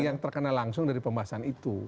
yang terkena langsung dari pembahasan itu